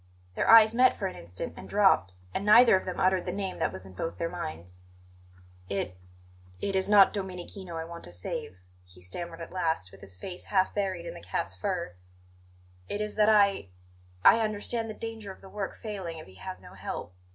Their eyes met for an instant, and dropped; and neither of them uttered the name that was in both their minds. "It it is not Domenichino I want to save," he stammered at last, with his face half buried in the cat's fur; "it is that I I understand the danger of the work failing if he has no help."